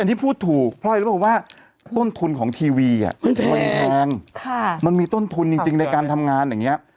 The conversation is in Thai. อันนี้พูดถูกเพราะอะไรรู้ป่ะว่าต้นทุนของทีวีมันแพงมันมีต้นทุนจริงในการทำงานอย่างนี้